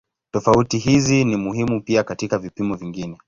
Tofauti hizi ni muhimu pia katika vipimo vingine.